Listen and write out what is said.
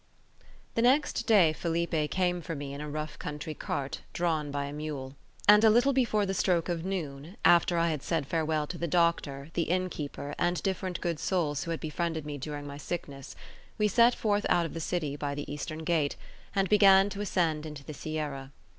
The next day Felipe came for me in a rough country cart, drawn by a mule; and a little before the stroke of noon, after I had said farewell to the doctor, the innkeeper, and different good souls who had befriended me during my sickness, we set forth out of the city by the Eastern gate, and began to ascend into the Sierra.